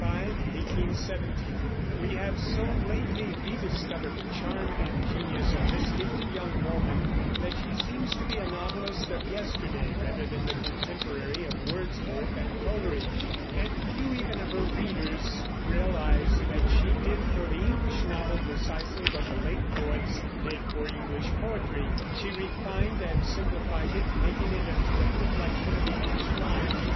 JANE AUSTEN (1775 1817) We have so lately rediscovered the charm and genius of this gifted young woman that she seems to be a novelist of yesterday, rather than the contemporary of Wordsworth and Coleridge; and few even of her readers realize that she did for the English novel precisely what the Lake poets did for English poetry, she refined and simplified it, making it a true reflection of English life.